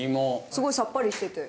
すごいさっぱりしてて。